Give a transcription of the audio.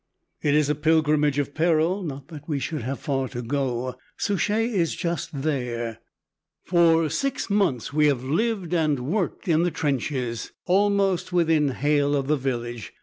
It is a pilgrimage of peril; not that we should have far to go Souchez is just there. For six months we have lived and worked in the trenches almost within hail of the village.